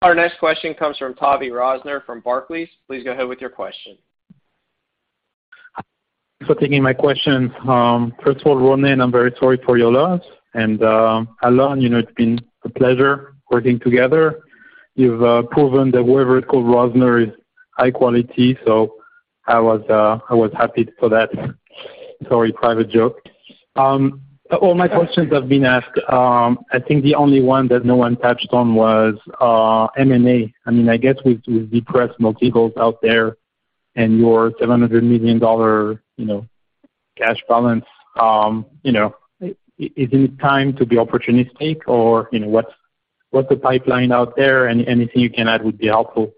Our next question comes from Tavy Rosner from Barclays. Please go ahead with your question. Thanks for taking my questions. First of all, Ronen, I'm very sorry for your loss. Alon, you know, it's been a pleasure working together. You've proven that whatever is called Rosner is high quality, so I was happy for that. Sorry, private joke. All my questions have been asked. I think the only one that no one touched on was M&A. I mean, I guess with depressed multiples out there and your $700 million cash balance, you know, is it time to be opportunistic or, you know, what's the pipeline out there? Anything you can add would be helpful.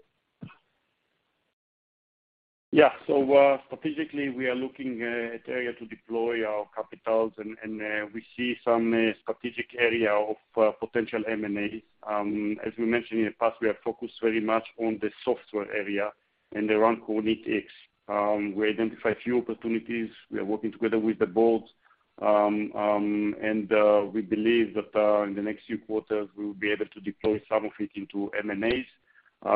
Strategically, we are looking at areas to deploy our capital and we see some strategic areas of potential M&As. As we mentioned in the past, we are focused very much on the software area and around KornitX. We identify a few opportunities. We are working together with the board. We believe that in the next few quarters, we will be able to deploy some of it into M&As.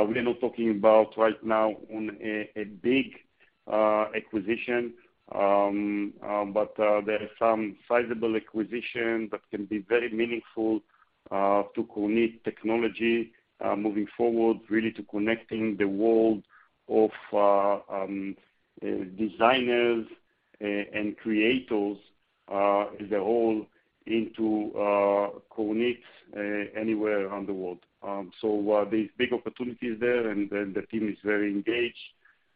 We are not talking about a big acquisition right now. There are some sizable acquisitions that can be very meaningful to Kornit Digital moving forward, really to connecting the world of designers and creators as a whole into Kornit anywhere around the world. There's big opportunities there, and the team is very engaged,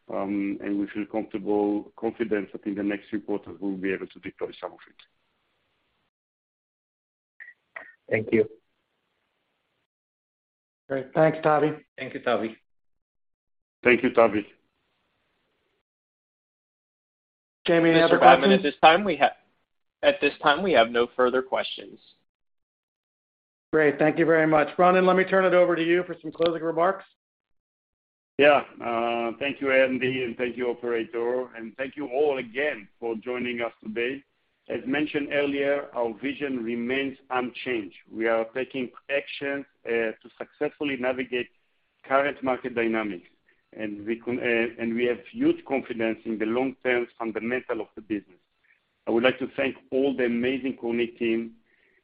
and we feel comfortable, confident that in the next few quarters we'll be able to deploy some of it. Thank you. Great. Thanks, Tavy. Thank you, Tavy. Thank you, Tavy. Jamie, any other questions? At this time we have no further questions. Great. Thank you very much. Ronen, let me turn it over to you for some closing remarks. Yeah. Thank you, Andy, and thank you, operator, and thank you all again for joining us today. As mentioned earlier, our vision remains unchanged. We are taking action to successfully navigate current market dynamics, and we have huge confidence in the long-term fundamentals of the business. I would like to thank all the amazing Kornit team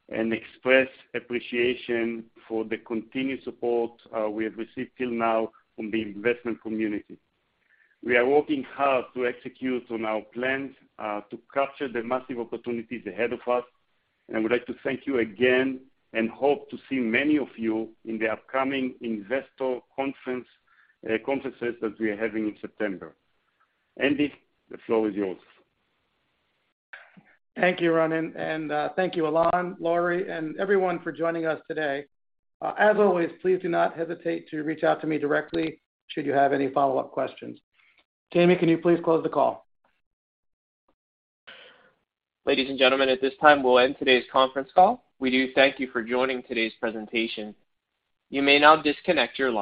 and express appreciation for the continued support we have received till now from the investment community. We are working hard to execute on our plans to capture the massive opportunities ahead of us, and I would like to thank you again and hope to see many of you in the upcoming investor conferences that we're having in September. Andy, the floor is yours. Thank you, Ronen. Thank you Alon, Lauri, and everyone for joining us today. As always, please do not hesitate to reach out to me directly should you have any follow-up questions. Jamie, can you please close the call? Ladies and gentlemen, at this time, we'll end today's conference call. We do thank you for joining today's presentation. You may now disconnect your line.